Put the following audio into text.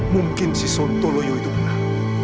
mungkin si sontoloyo itu benar